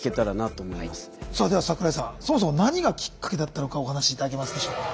では桜井さんそもそも何がきっかけだったのかお話し頂けますでしょうか。